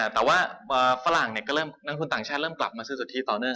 แต่ว่าฝรั่งเนี่ยก็เริ่มนังทุนต่างชายเริ่มกลับมาซื้อสุดที่ต่อเนื่องแล้ว